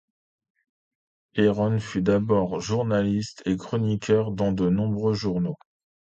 Cairon fut d’abord journaliste et chroniqueur dans de nombreux journaux.